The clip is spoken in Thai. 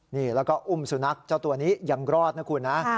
นี่แล้วก็อุ้มสุนัขเจ้าตัวนี้ยังรอดนะคุณนะ